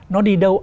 nó đi đâu